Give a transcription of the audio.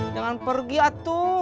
jangan pergi atuh